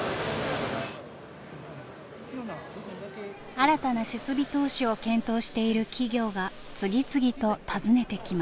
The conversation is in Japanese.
新たな設備投資を検討している企業が次々と訪ねてきます。